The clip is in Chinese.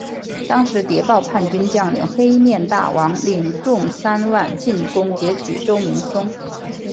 当时谍报叛军将领黑面大王领众三万进攻截取周明松。